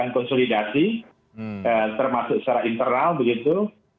konsolidasi termasuk secara internal begitu